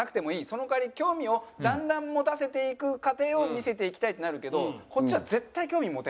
「その代わり興味をだんだん持たせていく過程を見せていきたい」ってなるけどこっちは。